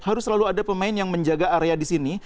harus selalu ada pemain yang menjaga area di sini